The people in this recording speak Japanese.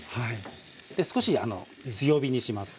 で少し強火にします。